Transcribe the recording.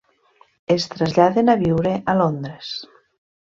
Es traslladen a viure a Londres.